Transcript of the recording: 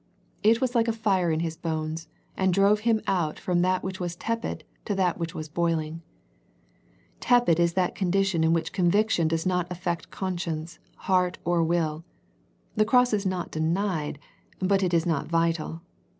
198 A First Century Message It was like a fire in his bones, and drove him out from that which was tepid to that which was boiUng. Tepid is that condition in which conviction does not affect conscience, heart, or will. The Cross is not denied, but it is not vital.